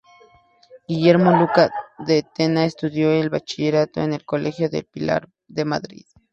Guillermo Luca de Tena estudió el bachillerato en el Colegio del Pilar de Madrid.